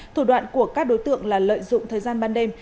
thủ đoạn của các đối tượng là lợi dụng thời gian ban đêm